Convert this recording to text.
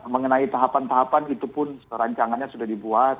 mengenai tahapan tahapan itu pun rancangannya sudah dibuat